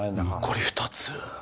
残り２つ。